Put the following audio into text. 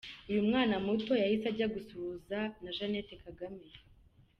Uyu mwana muto yahise ajya gusuhuza na Jeannette Kagame.